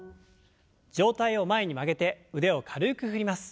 上体を前に曲げて腕を軽く振ります。